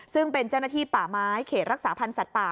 ซึ่งเป็นเจ้าหน้าที่ป่าไม้เขตรักษาพันธ์สัตว์ป่า